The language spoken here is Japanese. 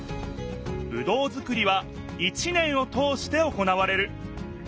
ぶどうづくりは一年を通して行われる。